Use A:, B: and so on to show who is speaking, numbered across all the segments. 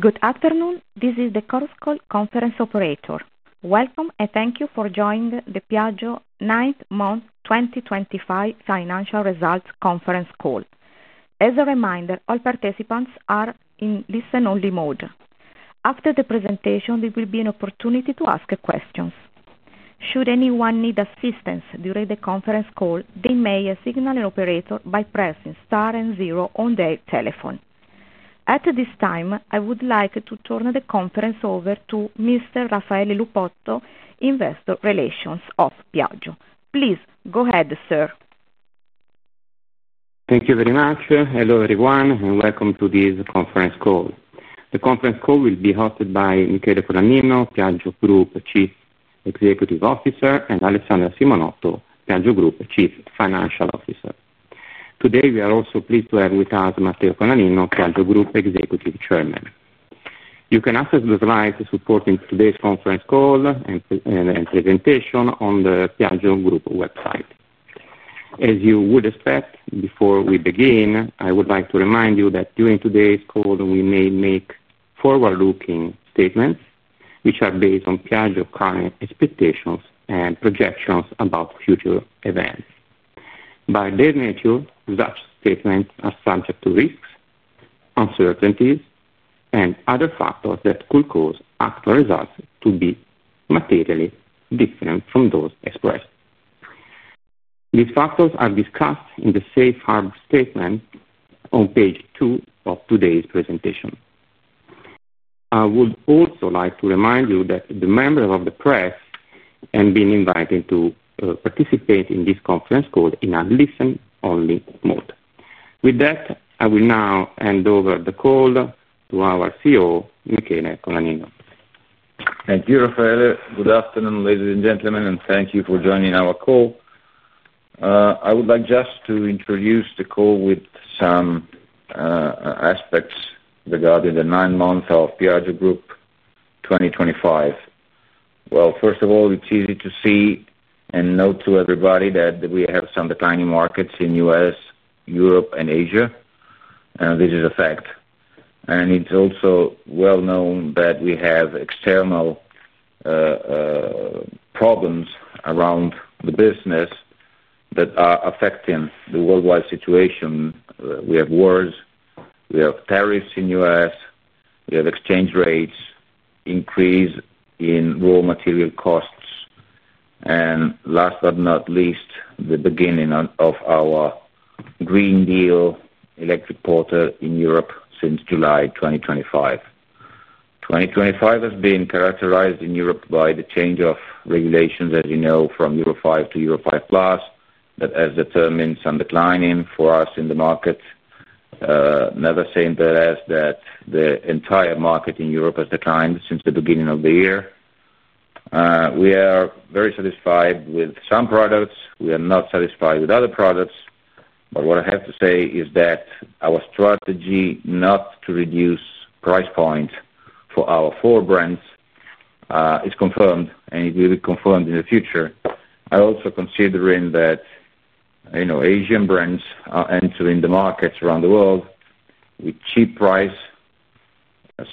A: Good afternoon, this is the Chorus Call conference operator. Welcome and thank you for joining the Piaggio Ninth Month 2025 Financial Results Conference Call. As a reminder, all participants are in listen-only mode. After the presentation, there will be an opportunity to ask questions. Should anyone need assistance during the conference call, they may signal an operator by pressing star and zero on their telephone. At this time, I would like to turn the conference over to Mr. Raffaele Lupotto, Investor Relations of Piaggio. Please go ahead, sir.
B: Thank you very much, hello everyone, and welcome to this conference call. The conference call will be hosted by Michele Colaninno, Piaggio Group Chief Executive Officer, and Alessandra Simonotto, Piaggio Group Chief Financial Officer. Today we are also pleased to have with us Matteo Colaninno, Piaggio Group Executive Chairman. You can access the slides supporting today's conference call and presentation on the Piaggio Group website. As you would expect, before we begin, I would like to remind you that during today's call we may make forward-looking statements which are based on Piaggio current expectations and projections about future events. By their nature, such statements are subject to risks, uncertainties, and other factors that could cause actual results to be materially different from those expressed. These factors are discussed in the Safe Harbor statement on page two of today's presentation. I would also like to remind you that the members of the press have been invited to participate in this conference call in a listen-only mode. With that, I will now hand over the call to our CEO, Michele Colaninno.
C: Thank you, Raffaele. Good afternoon, ladies and gentlemen, and thank you for joining our call. I would like just to introduce the call with some aspects regarding the nine months of Piaggio Group 2025. First of all, it's easy to see and note to everybody that we have some declining markets in the U.S., Europe, and Asia, and this is a fact. It's also well known that we have external problems around the business that are affecting the worldwide situation. We have wars, we have tariffs in the U.S., we have exchange rates increasing in raw material costs, and last but not least, the beginning of our Green Deal electric portal in Europe since July 2025. 2025 has been characterized in Europe by the change of regulations, as you know, from Euro 5 to Euro 5+, that has determined some decline for us in the market. Another thing that has been noted is that the entire market in Europe has declined since the beginning of the year. We are very satisfied with some products; we are not satisfied with other products. What I have to say is that our strategy not to reduce price points for our four brands is confirmed, and it will be confirmed in the future. I also consider that Asian brands are entering the markets around the world with cheap prices,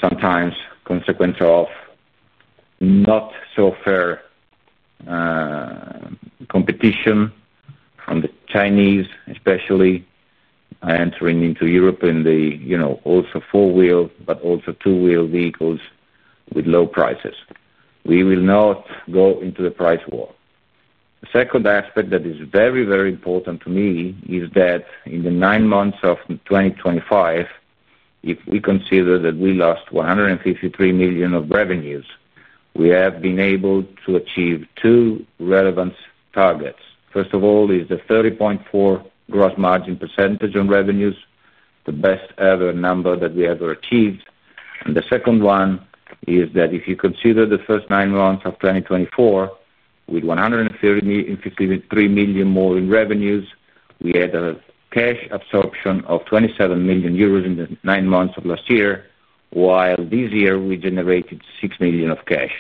C: sometimes a consequence of not so fair competition from the Chinese, especially entering into Europe in the also four-wheel but also two-wheel vehicles with low prices. We will not go into a price war. The second aspect that is very, very important to me is that in the nine months of 2025, if we consider that we lost 153 million of revenues, we have been able to achieve two relevant targets. First of all is the 30.4% gross margin percentage on revenues, the best ever number that we ever achieved. The second one is that if you consider the first nine months of 2024 with 153 million more in revenues, we had a cash absorption of 27 million euros in the nine months of last year, while this year we generated 6 million of cash.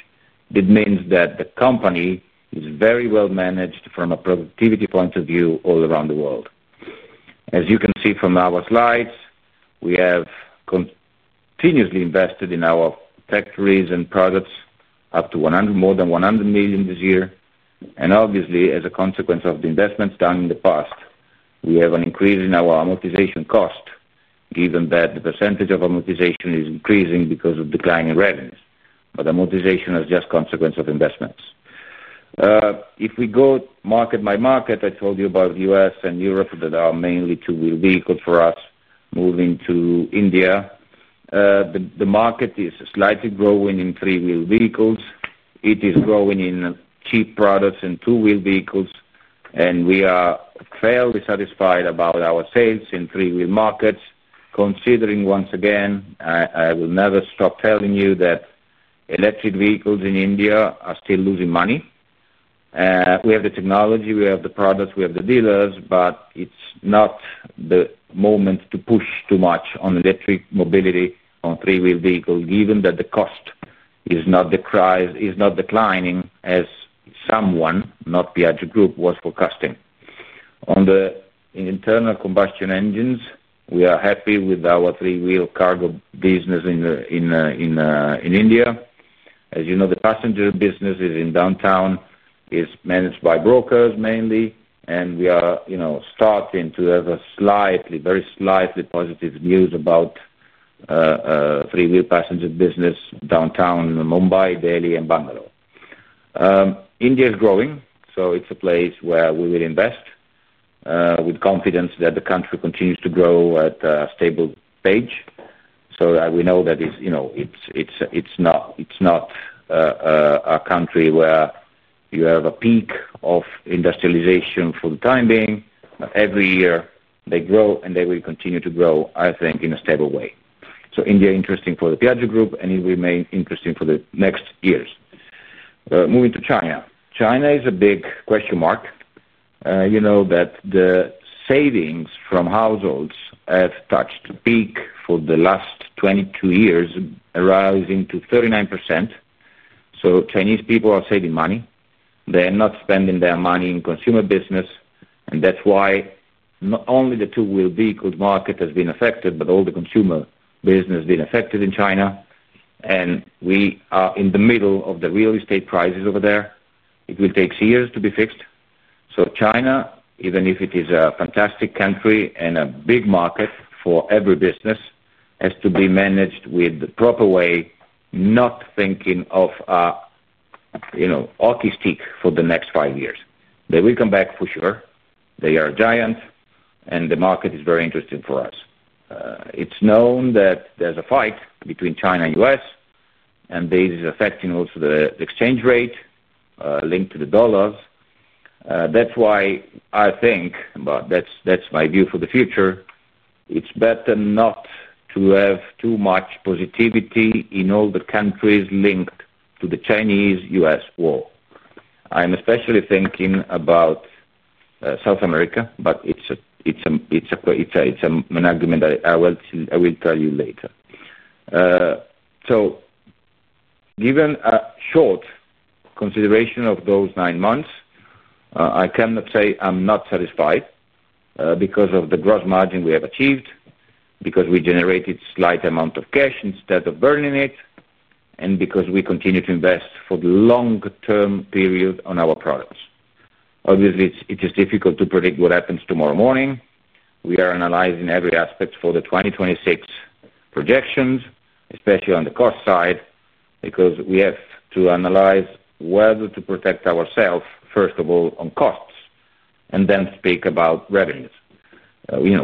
C: It means that the company is very well managed from a productivity point of view all around the world. As you can see from our slides, we have continuously invested in our factories and products up to more than 100 million this year. Obviously, as a consequence of the investments done in the past, we have an increase in our amortization cost, given that the percentage of amortization is increasing because of declining revenues. Amortization is just a consequence of investments. If we go market by market, I told you about the U.S. and Europe that are mainly two-wheel vehicles for us. Moving to India, the market is slightly growing in three-wheel vehicles. It is growing in cheap products and two-wheel vehicles. We are fairly satisfied about our sales in three-wheel markets, considering once again, I will never stop telling you that electric vehicles in India are still losing money. We have the technology, we have the products, we have the dealers, but it's not the moment to push too much on electric mobility on three-wheel vehicles, given that the cost is not declining as someone, not Piaggio Group, was forecasting. On the internal combustion engines, we are happy with our three-wheel cargo business in India. As you know, the passenger businesses in downtown are managed by brokers mainly, and we are starting to have slightly, very slightly positive news about the three-wheel passenger business downtown Mumbai, Delhi, and Bangalore. India is growing, so it's a place where we will invest with confidence that the country continues to grow at a stable pace. We know that it's not a country where you have a peak of industrialization for the time being, but every year they grow and they will continue to grow, I think, in a stable way. India is interesting for the Piaggio Group, and it will remain interesting for the next years. Moving to China. China is a big question mark. You know that the savings from households have touched a peak for the last 22 years, rising to 39%. Chinese people are saving money. They are not spending their money in the consumer business, and that's why not only the two-wheel vehicle market has been affected, but all the consumer business has been affected in China. We are in the middle of the real estate crisis over there. It will take years to be fixed. China, even if it is a fantastic country and a big market for every business, has to be managed in the proper way, not thinking of a hockey stick for the next five years. They will come back for sure. They are a giant, and the market is very interesting for us. It's known that there's a fight between China and the U.S., and this is affecting also the exchange rate linked to the dollars. That's why I think, but that's my view for the future, it's better not to have too much positivity in all the countries linked to the Chinese-U.S. war. I'm especially thinking about South America, but it's an argument that I will tell you later. Given a short consideration of those nine months, I cannot say I'm not satisfied because of the gross margin we have achieved, because we generated a slight amount of cash instead of burning it, and because we continue to invest for the longer-term period on our products. Obviously, it is difficult to predict what happens tomorrow morning. We are analyzing every aspect for the 2026 projections, especially on the cost side, because we have to analyze whether to protect ourselves, first of all, on costs, and then speak about revenues.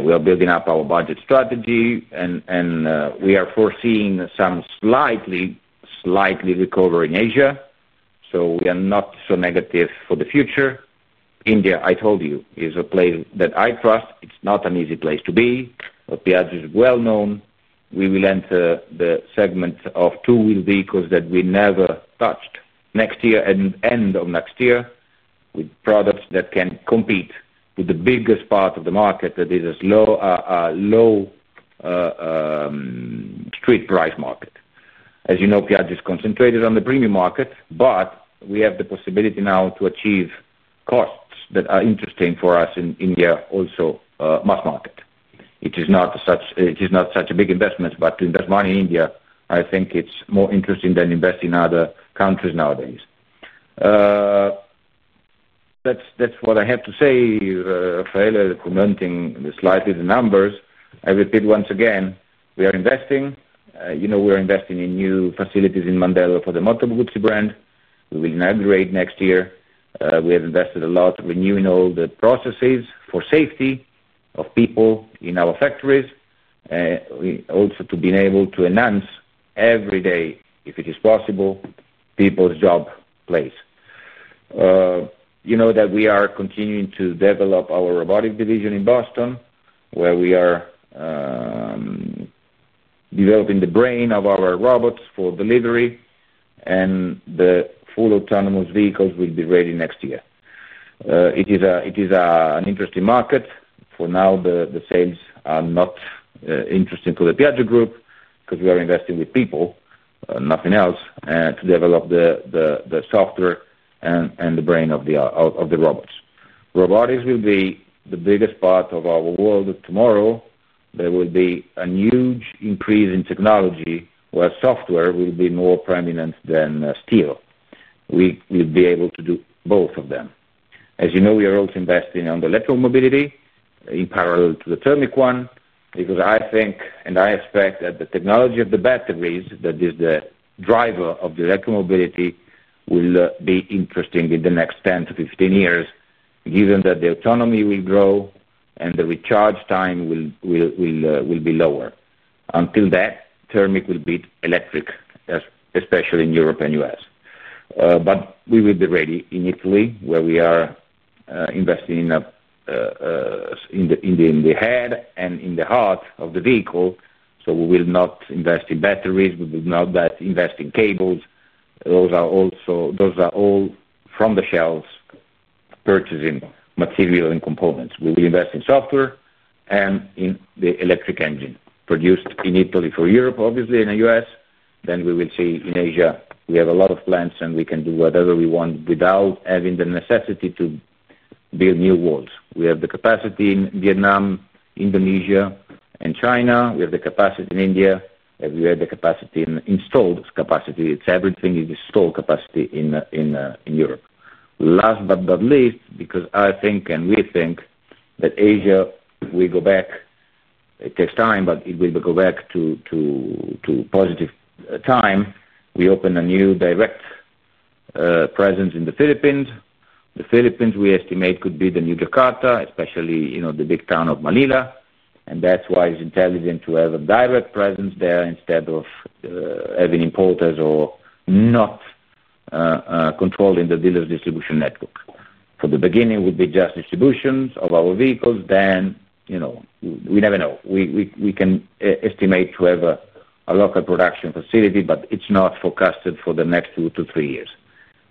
C: We are building up our budget strategy, and we are foreseeing some slightly, slightly recovery in Asia, so we are not so negative for the future. India, I told you, is a place that I trust. It's not an easy place to be, but Piaggio is well known. We will enter the segment of two-wheel vehicles that we never touched next year and end of next year with products that can compete with the biggest part of the market that is a low street price market. As you know, Piaggio is concentrated on the premium market, but we have the possibility now to achieve costs that are interesting for us in India, also mass market. It is not such a big investment, but to invest money in India, I think it's more interesting than investing in other countries nowadays. That's what I have to say, Raffaele, commenting slightly on the numbers. I repeat once again, we are investing. We are investing in new facilities in Mandello for the Moto Guzzi brand. We will inaugurate next year. We have invested a lot renewing all the processes for safety of people in our factories, also to be able to enhance every day, if it is possible, people's job place. You know that we are continuing to develop our robotic division in Boston, where we are developing the brain of our robots for delivery, and the full autonomous vehicles will be ready next year. It is an interesting market. For now, the sales are not interesting for the Piaggio Group because we are investing with people, nothing else, to develop the software and the brain of the robots. Robotics will be the biggest part of our world tomorrow. There will be a huge increase in technology where software will be more prominent than steel. We will be able to do both of them. As you know, we are also investing on the electromobility in parallel to the thermic one because I think and I expect that the technology of the batteries that is the driver of the electromobility will be interesting in the next 10 to 15 years, given that the autonomy will grow and the recharge time will be lower. Until then, thermic will be electric, especially in Europe and the U.S. We will be ready in Italy, where we are investing in the head and in the heart of the vehicle. We will not invest in batteries. We will not invest in cables. Those are all from the shelves, purchasing material and components. We will invest in software and in the electric engine produced in Italy for Europe, obviously, and the U.S.. We will see in Asia. We have a lot of plants, and we can do whatever we want without having the necessity to build new walls. We have the capacity in Vietnam, Indonesia, and China. We have the capacity in India. We have the capacity in installed capacity. Everything is installed capacity in Europe. Last but not least, because I think and we think that Asia, if we go back, it takes time, but if we go back to positive time, we open a new direct presence in the Philippines. The Philippines, we estimate, could be the new Jakarta, especially the big town of Manila. That is why it is intelligent to have a direct presence there instead of having importers or not controlling the dealer's distribution network. For the beginning, it would be just distributions of our vehicles. We never know. We can estimate to have a local production facility, but it is not forecasted for the next two to three years.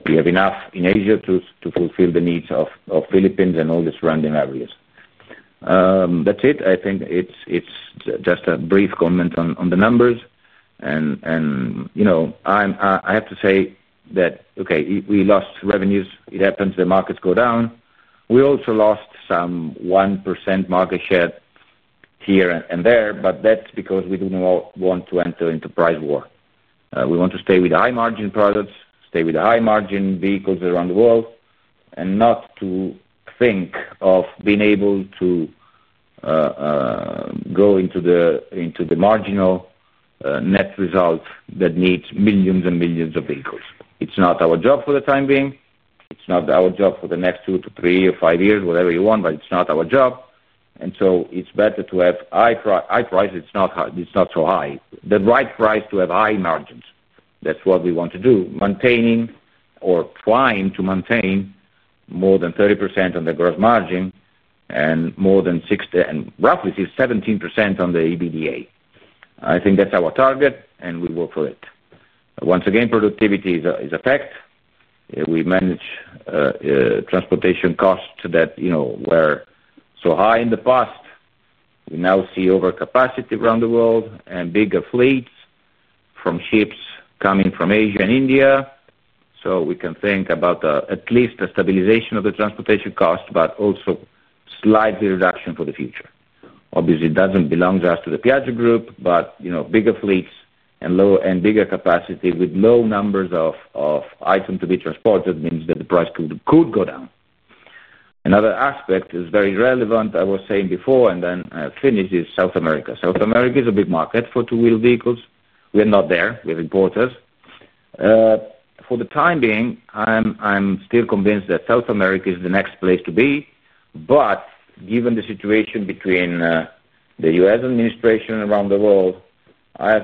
C: We have enough in Asia to fulfill the needs of the Philippines and all the surrounding areas. That is it. I think it is just a brief comment on the numbers. I have to say that, okay, we lost revenues. It happens the markets go down. We also lost some 1% market share here and there, but that's because we do not want to enter into a price war. We want to stay with high-margin products, stay with high-margin vehicles around the world, and not to think of being able to go into the marginal net result that needs millions and millions of vehicles. It's not our job for the time being. It's not our job for the next two to three or five years, whatever you want, but it's not our job. It is better to have high prices. It's not so high. The right price to have high margins. That's what we want to do, maintaining or trying to maintain more than 30% on the gross margin and more than roughly 17% on the EBITDA. I think that's our target, and we work for it. Once again, productivity is a fact. We manage transportation costs that were so high in the past. We now see overcapacity around the world and bigger fleets from ships coming from Asia and India. We can think about at least a stabilization of the transportation cost, but also slight reduction for the future. Obviously, it does not belong just to the Piaggio Group, but bigger fleets and bigger capacity with low numbers of items to be transported means that the price could go down. Another aspect is very relevant. I was saying before, and then I finish, is South America. South America is a big market for two-wheel vehicles. We are not there. We have importers. For the time being, I am still convinced that South America is the next place to be. Given the situation between the U.S. administration around the world, I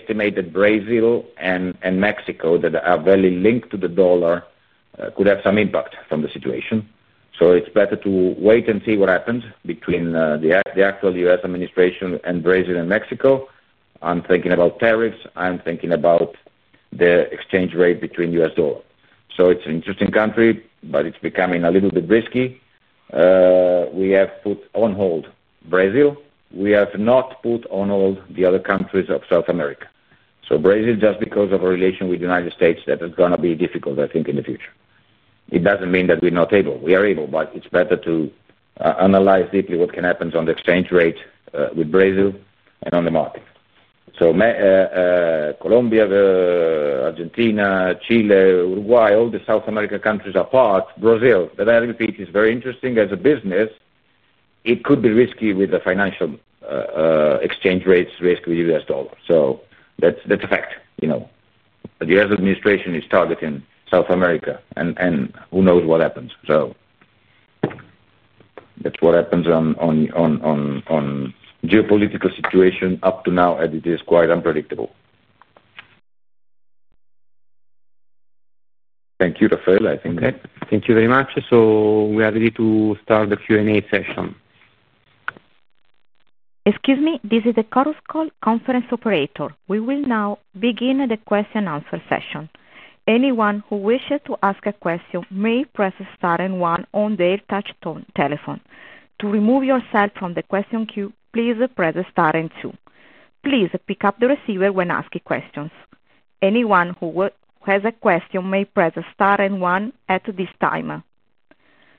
C: estimate that Brazil and Mexico, that are very linked to the dollar, could have some impact from the situation. It is better to wait and see what happens between the actual U.S. administration and Brazil and Mexico. I am thinking about tariffs. I am thinking about the exchange rate between U.S. dollar. It is an interesting country, but it is becoming a little bit risky. We have put on hold Brazil. We have not put on hold the other countries of South America. Brazil, just because of our relation with the United States, that is going to be difficult, I think, in the future. It does not mean that we are not able. We are able, but it is better to analyze deeply what can happen on the exchange rate with Brazil and on the market. Colombia, Argentina, Chile, Uruguay, all the South American countries apart, Brazil, that I repeat is very interesting as a business. It could be risky with the financial exchange rates risk with the U.S. dollar. That's a fact. The U.S. administration is targeting South America, and who knows what happens. That's what happens on geopolitical situation up to now, and it is quite unpredictable. Thank you, Raffaele. I think.
B: Okay. Thank you very much. We are ready to start the Q&A session.
A: Excuse me. This is the Chorus Call conference operator. We will now begin the question-and-answer session. Anyone who wishes to ask a question may press star and one on their touch telephone. To remove yourself from the question queue, please press star and two. Please pick up the receiver when asking questions. Anyone who has a question may press star and one at this time.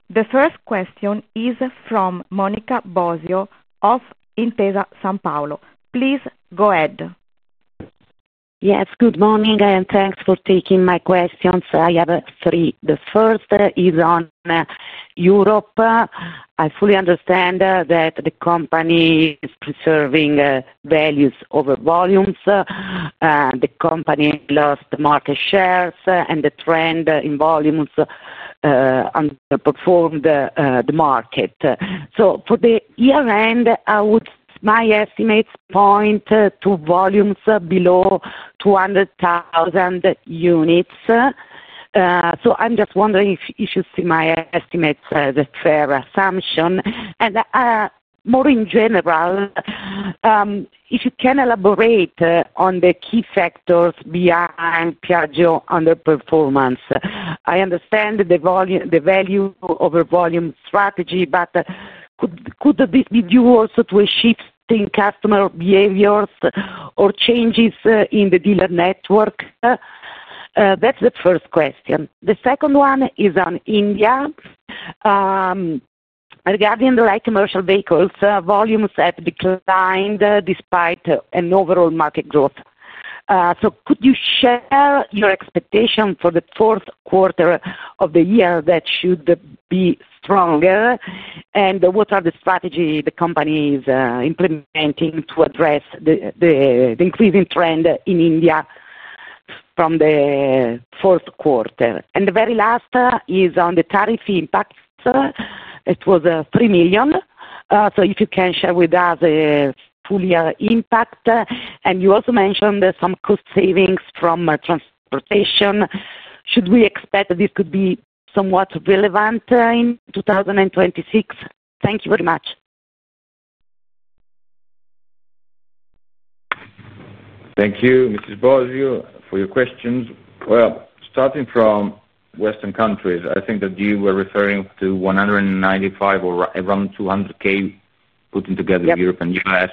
A: The first question is from Monica Bosio of Intesa Sanpaolo. Please go ahead.
D: Yes. Good morning, and thanks for taking my questions. I have three. The first is on Europe. I fully understand that the company is preserving values over volumes. The company lost market shares, and the trend in volumes underperformed the market. For the year-end, my estimates point to volumes below 200,000 units. I'm just wondering if you see my estimates as a fair assumption. In general, if you can elaborate on the key factors behind Piaggio underperformance. I understand the value over volume strategy, but could this be due also to a shift in customer behaviors or changes in the dealer network? That's the first question. The second one is on India. Regarding the light commercial vehicles, volumes have declined despite an overall market growth. Could you share your expectation for the fourth quarter of the year that should be stronger? What are the strategies the company is implementing to address the increasing trend in India from the fourth quarter? The very last is on the tariff impacts. It was 3 million. If you can share with us the full year impact. You also mentioned some cost savings from transportation. Should we expect that this could be somewhat relevant in 2026? Thank you very much.
C: Thank you, Mrs. Bosio, for your questions. Starting from Western countries, I think that you were referring to 195,000 or around 200,000 put together in Europe and the U.S..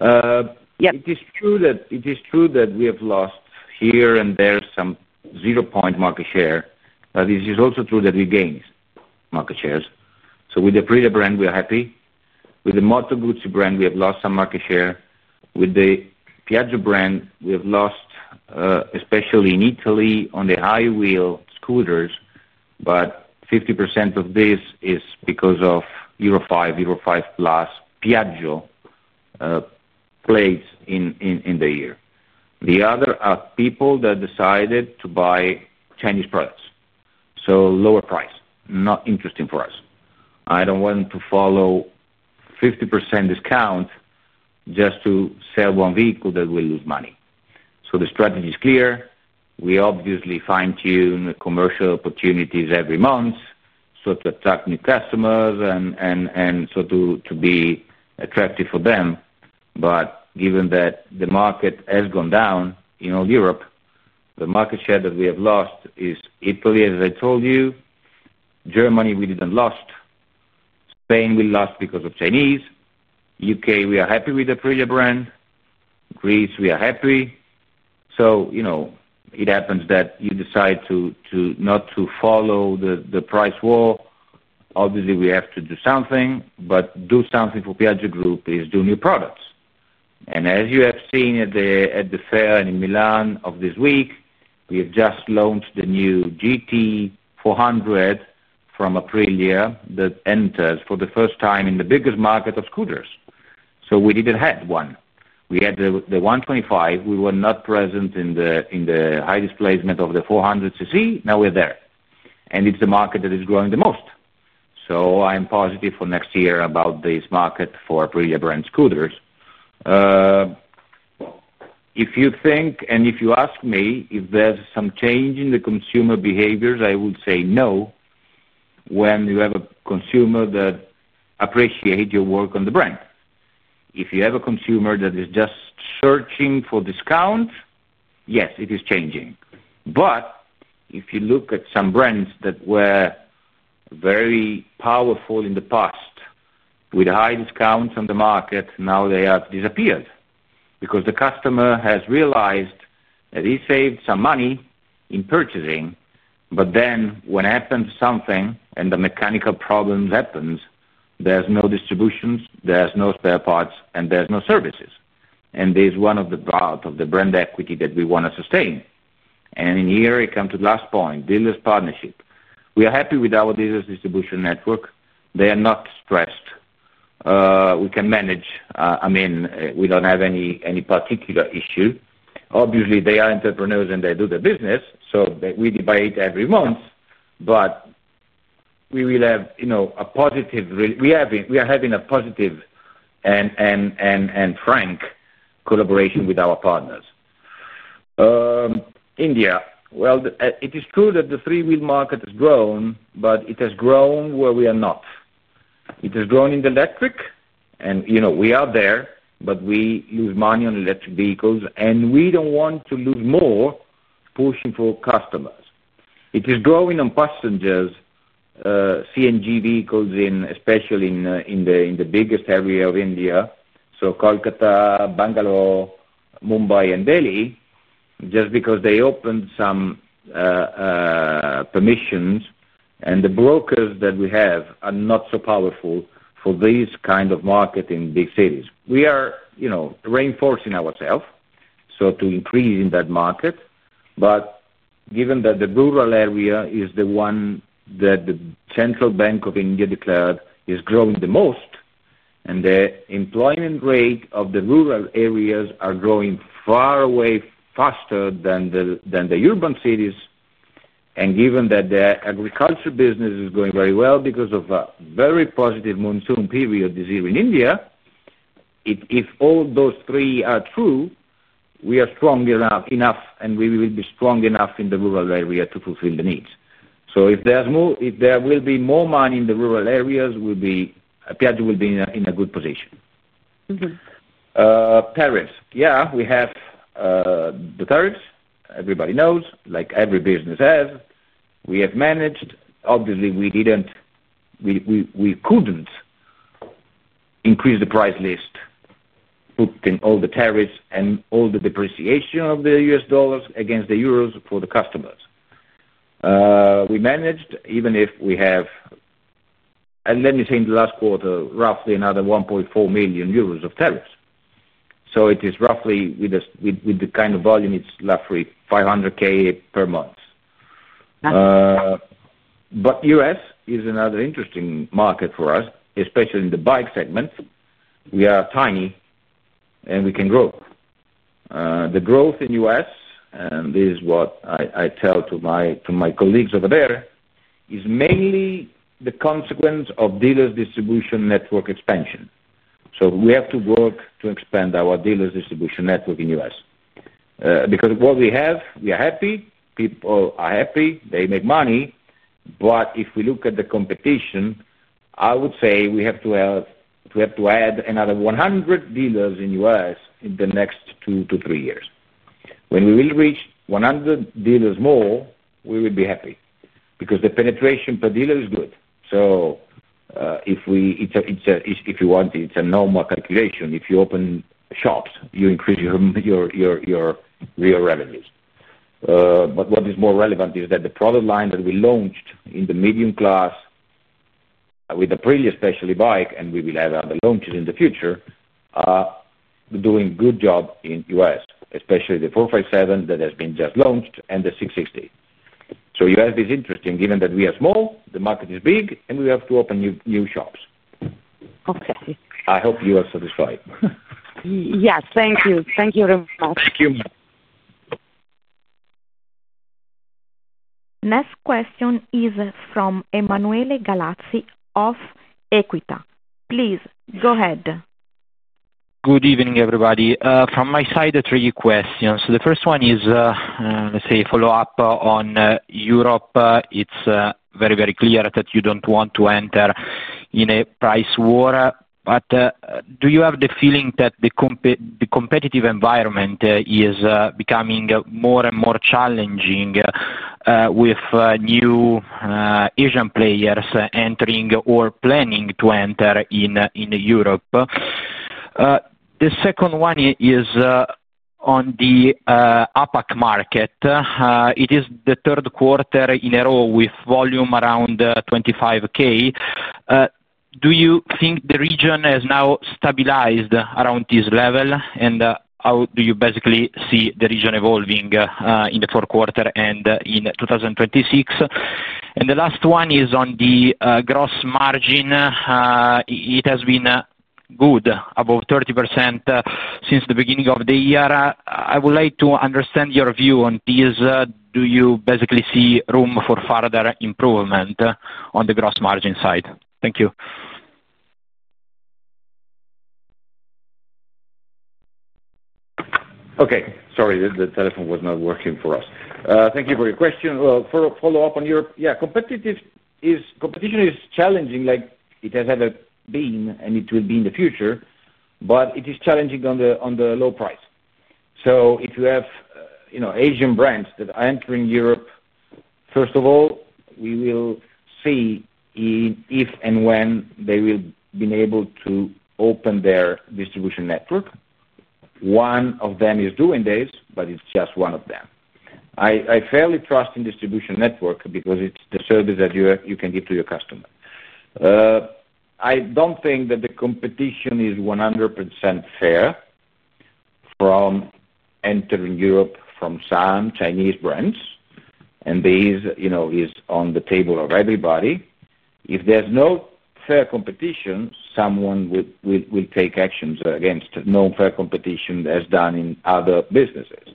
C: It is true that we have lost here and there some zero-point market share, but it is also true that we gained market shares. With the Aprilia brand, we are happy. With the Moto Guzzi brand, we have lost some market share. With the Piaggio brand, we have lost, especially in Italy, on the high-wheel scooters, but 50% of this is because of Euro 5, Euro 5+ Piaggio plates in the year. The other are people that decided to buy Chinese products. So lower price, not interesting for us. I don't want to follow 50% discount just to sell one vehicle that will lose money. The strategy is clear. We obviously fine-tune commercial opportunities every month so to attract new customers and so to be attractive for them. Given that the market has gone down in all Europe, the market share that we have lost is Italy, as I told you. Germany, we didn't lose. Spain, we lost because of Chinese. U.K., we are happy with the Aprilia brand. Greece, we are happy. It happens that you decide not to follow the price war. Obviously, we have to do something, but do something for Piaggio Group is do new products. As you have seen at the fair in Milan this week, we have just launched the new GT 400 from Aprilia that enters for the first time in the biggest market of scooters. We did not have one. We had the 125. We were not present in the high displacement of the 400cc. Now we are there. It is the market that is growing the most. I am positive for next year about this market for Aprilia brand scooters. If you think, and if you ask me if there is some change in the consumer behaviors, I would say no when you have a consumer that appreciates your work on the brand. If you have a consumer that is just searching for discounts, yes, it is changing. If you look at some brands that were very powerful in the past with high discounts on the market, now they have disappeared because the customer has realized that he saved some money in purchasing. When something happens and mechanical problems happen, there is no distribution, there are no spare parts, and there are no services. That is one of the parts of the brand equity that we want to sustain. Here, I come to the last point, dealer's partnership. We are happy with our dealer's distribution network. They are not stressed. We can manage. I mean, we do not have any particular issue. Obviously, they are entrepreneurs and they do their business, so we debate every month, but we are having a positive and frank collaboration with our partners. India. It is true that the three-wheel market has grown, but it has grown where we are not. It has grown in the electric, and we are there, but we lose money on electric vehicles, and we do not want to lose more pushing for customers. It is growing on passengers, CNG vehicles, especially in the biggest area of India, so Kolkata, Bangalore, Mumbai, and Delhi, just because they opened some permissions. The brokers that we have are not so powerful for this kind of market in big cities. We are reinforcing ourselves to increase in that market. Given that the rural area is the one that the Central Bank of India declared is growing the most, and the employment rate of the rural areas are growing far away faster than the urban cities. Given that the agriculture business is going very well because of a very positive monsoon period this year in India, if all those three are true, we are strong enough, and we will be strong enough in the rural area to fulfill the needs. If there will be more money in the rural areas, Piaggio will be in a good position. Tariffs. Yeah, we have the tariffs. Everybody knows, like every business has. We have managed. Obviously, we could not increase the price list, putting all the tariffs and all the depreciation of the U.S. dollars against the euros for the customers. We managed, even if we have, and let me say in the last quarter, roughly another 1.4 million euros of tariffs. It is roughly, with the kind of volume, it's roughly 500,000 per month. U.S. is another interesting market for us, especially in the bike segment. We are tiny, and we can grow. The growth in U.S., and this is what I tell to my colleagues over there, is mainly the consequence of dealer's distribution network expansion. We have to work to expand our dealer's distribution network in U.S. because what we have, we are happy. People are happy. They make money. If we look at the competition, I would say we have to add another 100 dealers in U.S. in the next two to three years. When we will reach 100 dealers more, we will be happy because the penetration per dealer is good. If you want, it's a normal calculation. If you open shops, you increase your real revenues. What is more relevant is that the product line that we launched in the medium class with the Aprilia, especially bike, and we will have other launches in the future, are doing a good job in the U.S., especially the 457 that has been just launched and the 660. U.S. is interesting given that we are small, the market is big, and we have to open new shops. I hope you are satisfied.
D: Yes. Thank you. Thank you very much.
C: Thank you.
A: Next question is from Emanuele Gallazzi of EQUITA. Please go ahead.
E: Good evening, everybody. From my side, three questions. The first one is, let's say, a follow-up on Europe. It's very, very clear that you don't want to enter in a price war. Do you have the feeling that the competitive environment is becoming more and more challenging with new Asian players entering or planning to enter in Europe? The second one is on the APAC market. It is the third quarter in a row with volume around 25,000. Do you think the region has now stabilized around this level? How do you basically see the region evolving in the fourth quarter and in 2026? The last one is on the gross margin. It has been good, about 30% since the beginning of the year. I would like to understand your view on this. Do you basically see room for further improvement on the gross margin side? Thank you.
C: Okay. Sorry, the telephone was not working for us. Thank you for your question. Follow-up on Europe. Yeah, competition is challenging like it has ever been, and it will be in the future, but it is challenging on the low price. If you have Asian brands that are entering Europe, first of all, we will see if and when they will be able to open their distribution network. One of them is doing this, but it's just one of them. I fairly trust in distribution network because it's the service that you can give to your customer. I don't think that the competition is 100% fair from entering Europe from some Chinese brands, and this is on the table of everybody. If there's no fair competition, someone will take actions against no fair competition as done in other businesses.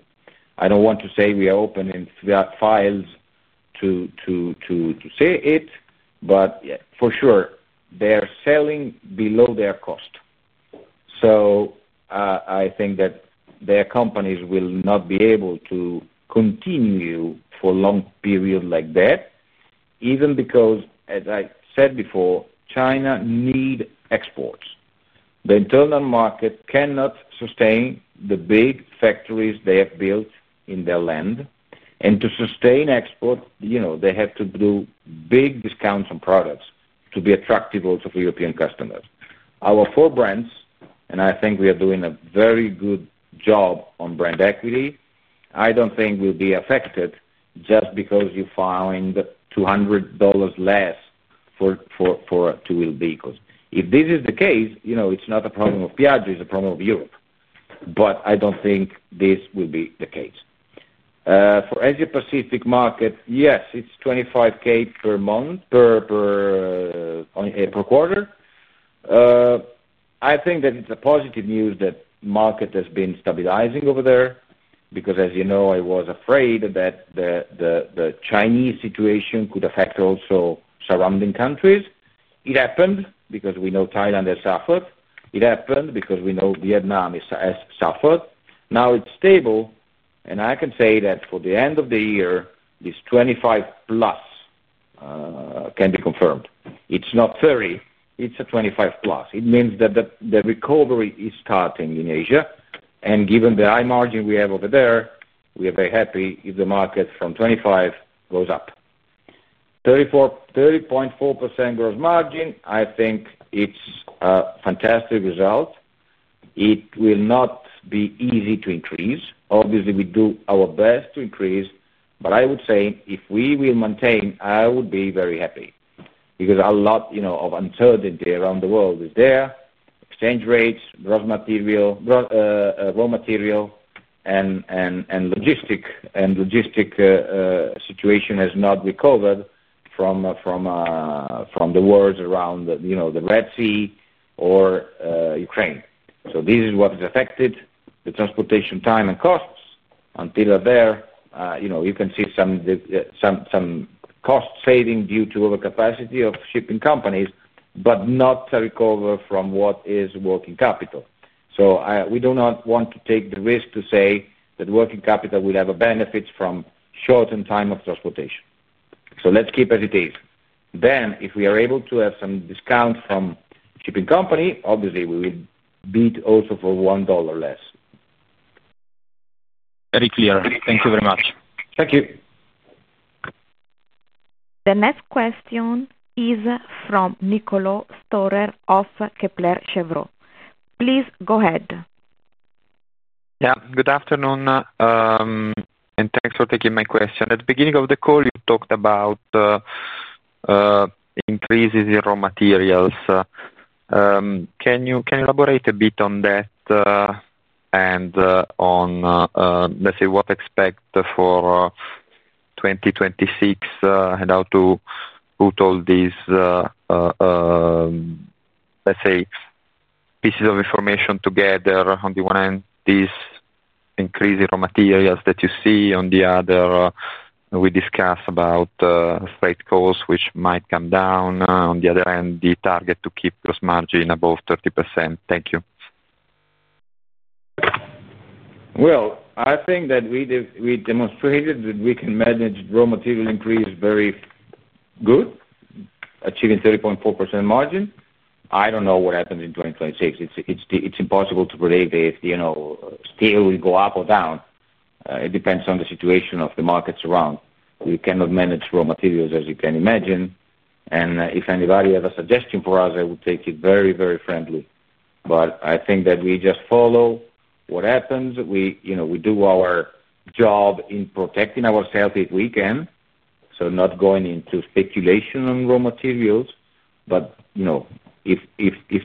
C: I don't want to say we are opening files to say it, but for sure, they are selling below their cost. I think that their companies will not be able to continue for a long period like that, even because, as I said before, China needs exports. The internal market cannot sustain the big factories they have built in their land. To sustain exports, they have to do big discounts on products to be attractive also for European customers. Our four brands, and I think we are doing a very good job on brand equity, I do not think will be affected just because you are filing $200 less for two-wheeled vehicles. If this is the case, it is not a problem of Piaggio; it is a problem of Europe. I do not think this will be the case. For Asia-Pacific market, yes, it is 25,000 per quarter. I think that it's a positive news that the market has been stabilizing over there because, as you know, I was afraid that the Chinese situation could affect also surrounding countries. It happened because we know Thailand has suffered. It happened because we know Vietnam has suffered. Now it's stable, and I can say that for the end of the year, this 25+ can be confirmed. It's not 30; it's a 25+. It means that the recovery is starting in Asia. And given the high margin we have over there, we are very happy if the market from 25 goes up. 30.4% gross margin, I think it's a fantastic result. It will not be easy to increase. Obviously, we do our best to increase, but I would say if we will maintain, I would be very happy because a lot of uncertainty around the world is there. Exchange rates, raw material, and logistic situation has not recovered from the wars around the Red Sea or Ukraine. This is what is affected: the transportation time and costs. Until there, you can see some cost saving due to overcapacity of shipping companies, but not a recover from what is working capital. We do not want to take the risk to say that working capital will have a benefit from shortened time of transportation. Let's keep it as it is. If we are able to have some discount from shipping company, obviously, we will beat also for $1 less.
E: Very clear. Thank you very much.
C: Thank you.
A: The next question is from Niccolò Storer of Kepler Cheuvreux. Please go ahead.
F: Yeah. Good afternoon, and thanks for taking my question. At the beginning of the call, you talked about increases in raw materials. Can you elaborate a bit on that and on, let's say, what to expect for 2026 and how to put all these, let's say, pieces of information together? On the one hand, this increase in raw materials that you see, on the other, we discuss about freight costs which might come down. On the other hand, the target to keep gross margin above 30%. Thank you.
C: I think that we demonstrated that we can manage raw material increase very good, achieving 30.4% margin. I don't know what happens in 2026. It's impossible to predict if steel will go up or down. It depends on the situation of the markets around. We cannot manage raw materials as you can imagine. If anybody has a suggestion for us, I would take it very, very friendly. I think that we just follow what happens. We do our job in protecting ourselves if we can, so not going into speculation on raw materials. If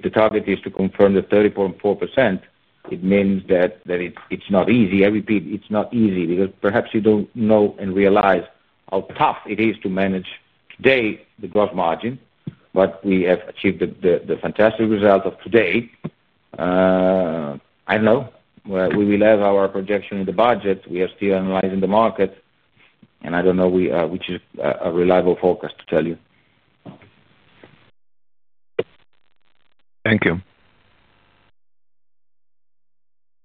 C: the target is to confirm the 30.4%, it means that it's not easy. I repeat, it's not easy because perhaps you don't know and realize how tough it is to manage today the gross margin, but we have achieved the fantastic result of today. I don't know. We will have our projection in the budget. We are still analyzing the market, and I don't know which is a reliable forecast to tell you.
F: Thank you.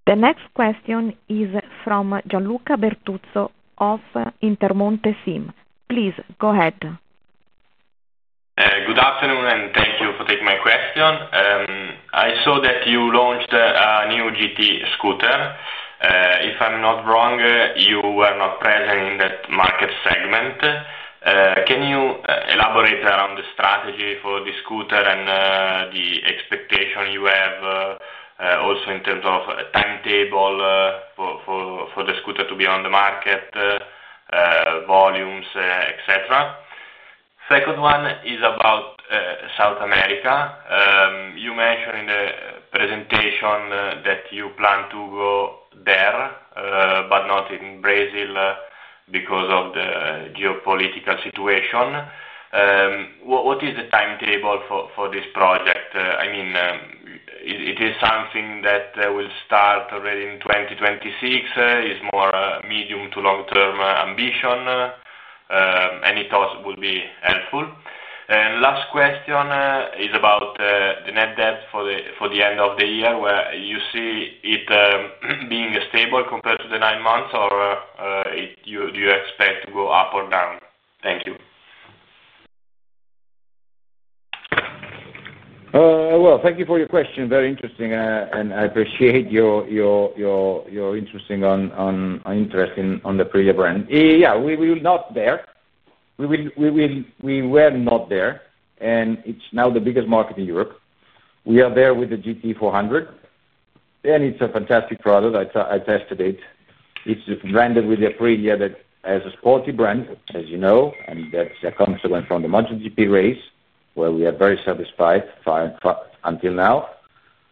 A: The next question is from Gianluca Bertuzzo of Intermonte SIM. Please go ahead.
G: Good afternoon, and thank you for taking my question. I saw that you launched a new GT scooter. If I'm not wrong, you were not present in that market segment. Can you elaborate around the strategy for the scooter and the expectation you have also in terms of timetable for the scooter to be on the market, volumes, etc.? Second one is about South America. You mentioned in the presentation that you plan to go there but not in Brazil because of the geopolitical situation. What is the timetable for this project? I mean, it is something that will start already in 2026. It is more medium to long-term ambition, and it also will be helpful. Last question is about the net debt for the end of the year. You see it being stable compared to the nine months, or do you expect to go up or down? Thank you.
C: Thank you for your question. Very interesting, and I appreciate your interest on the Piaggio brand. Yeah, we will not there. We were not there, and it's now the biggest market in Europe. We are there with the GT 400, and it's a fantastic product. I tested it. It's branded with the Aprilia as a sporty brand, as you know, and that's a consequence from the MotoGP race where we are very satisfied until now.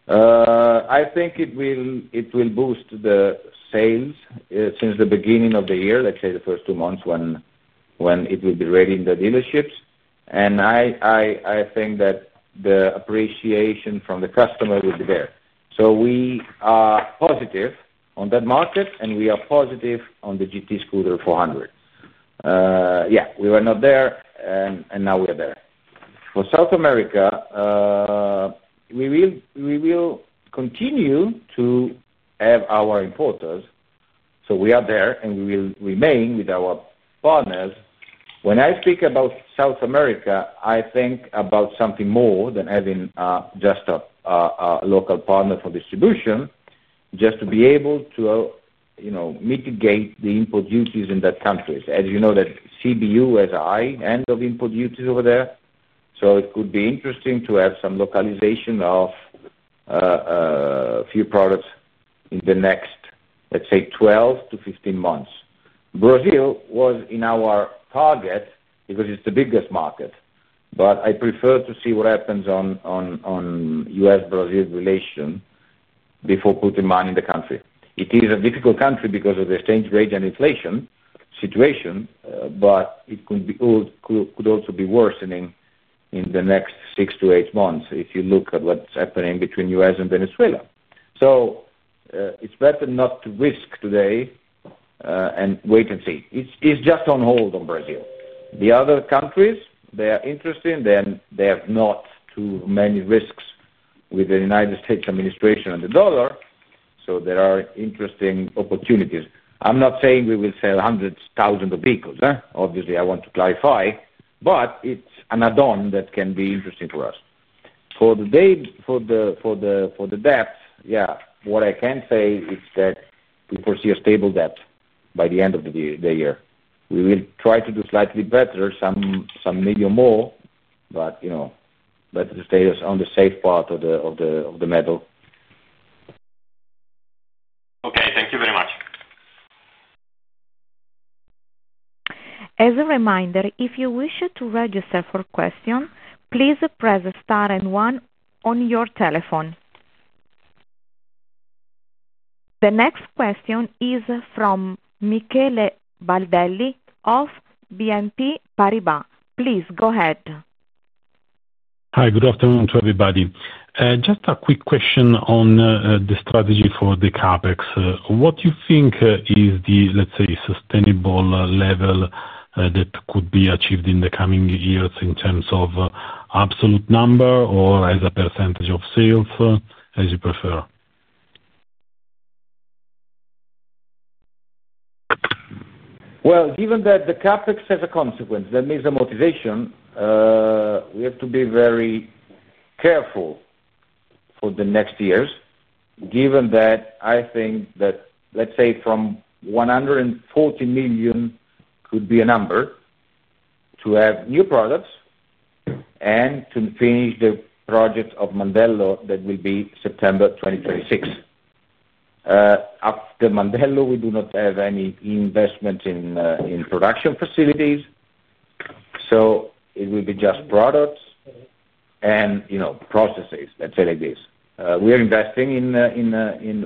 C: I think it will boost the sales since the beginning of the year, let's say the first two months when it will be ready in the dealerships. I think that the appreciation from the customer will be there. We are positive on that market, and we are positive on the GT 400 scooter. Yeah, we were not there, and now we are there. For South America, we will continue to have our importers. We are there, and we will remain with our partners. When I speak about South America, I think about something more than having just a local partner for distribution, just to be able to mitigate the import duties in that country. As you know, that CBU has a high end of import duties over there. It could be interesting to have some localization of a few products in the next, let's say, 12-15 months. Brazil was in our target because it is the biggest market. I prefer to see what happens on U.S.-Brazil relation before putting money in the country. It is a difficult country because of the exchange rate and inflation situation, but it could also be worsening in the next six to eight months if you look at what's happening between U.S. and Venezuela. It is better not to risk today and wait and see. It is just on hold on Brazil. The other countries, they are interesting, then they have not too many risks with the U.S. administration on the dollar. There are interesting opportunities. I'm not saying we will sell hundreds, thousands of vehicles. Obviously, I want to clarify, but it's an add-on that can be interesting for us. For the debt, yeah, what I can say is that we foresee a stable debt by the end of the year. We will try to do slightly better, some medium more, but better to stay on the safe part of the medal.
A: As a reminder, if you wish to register for questions, please press star and one on your telephone. The next question is from Michele Baldelli of BNP Paribas. Please go ahead.
H: Hi. Good afternoon to everybody. Just a quick question on the strategy for the CapEx. What do you think is the, let's say, sustainable level that could be achieved in the coming years in terms of absolute number or as a percentage of sales, as you prefer?
C: Given that the CapEx has a consequence, that means a motivation. We have to be very careful for the next years, given that I think that, let's say, from 140 million could be a number to have new products and to finish the project of Mandello that will be September 2026. After Mandello, we do not have any investment in production facilities, so it will be just products and processes, let's say it like this. We are investing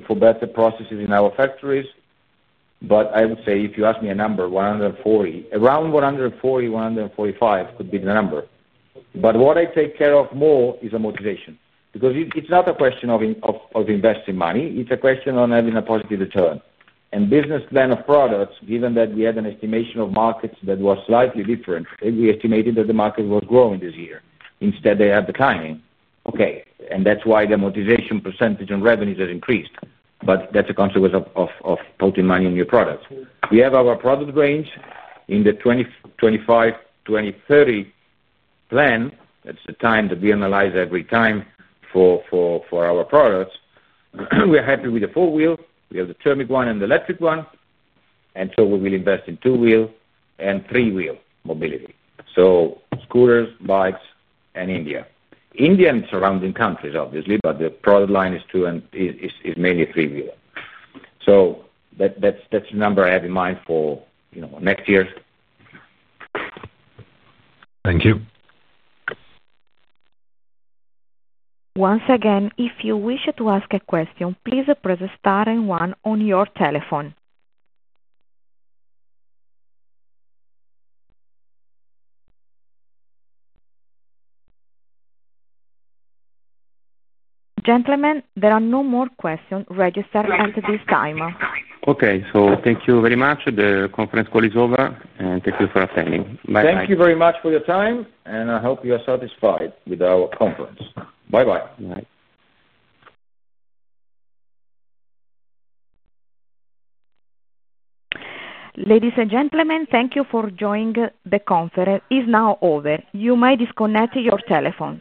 C: for better processes in our factories, but I would say if you ask me a number, around 140 million-145 million could be the number. What I take care of more is a motivation because it's not a question of investing money. It's a question of having a positive return. And business plan of products, given that we had an estimation of markets that was slightly different, we estimated that the market was growing this year. Instead, they have declined. Okay. That's why the motivation percentage on revenues has increased, but that's a consequence of putting money in new products. We have our product range in the 2025-2030 plan. That's the time that we analyze every time for our products. We are happy with the four-wheel. We have the thermic one and the electric one. We will invest in two-wheel and three-wheel mobility. Scooters, bikes, and India. India and surrounding countries, obviously, but the product line is mainly three-wheel. That's the number I have in mind for next year.
H: Thank you.
A: Once again, if you wish to ask a question, please press star and one on your telephone. Gentlemen, there are no more questions registered at this time.
C: Okay. Thank you very much. The conference call is over, and thank you for attending. Bye.
I: Thank you very much for your time, and I hope you are satisfied with our conference. Bye-bye.
C: Bye.
A: Ladies and gentlemen, thank you for joining. The conference is now over. You may disconnect your telephone.